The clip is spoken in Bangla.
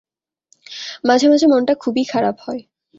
মাঝে-মাঝে মনটা খুবই খারাপ হয়।